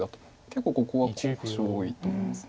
結構ここは候補手多いと思います。